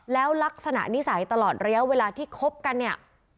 แล้วลักษณะนิสัยตลอดระยะเวลาที่คบกันเนี่ย